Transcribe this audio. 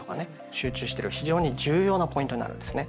集中してる非常に重要なポイントになるんですね。